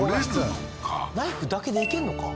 ナイフだけでいけんのか？